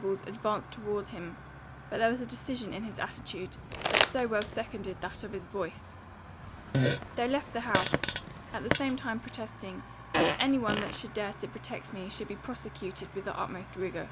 Venables advanced towards him But there was a decision in his attitude, that so well seconded that of his voice, * They left the house: at the same time protesting, that any one that should dare to protect me, should be prosecuted with the utmost rigour.